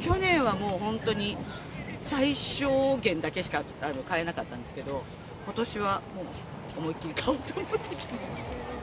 去年はもう、本当に最小限だけしか買えなかったんですけど、ことしは思いっきり買おうと思って来ました。